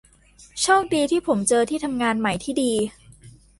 โชคดีที่ผมเจอที่ทำงานใหม่ที่ดี